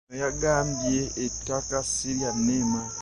Ono yagambye ettaka ssi lya NEMA.